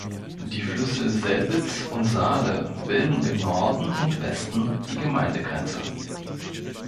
Die Flüsse Selbitz und Saale bilden im Norden und Westen die Gemeindegrenze.